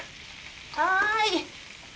はい！